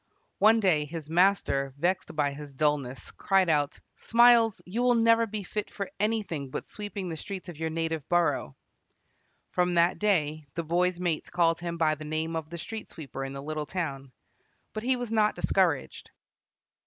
One day his master, vexed by his dulness, cried out, "Smiles, you will never be fit for anything but sweeping the streets of your native borough!" From that day the boy's mates called him by the name of the street sweeper in the little town. But he was not discouraged.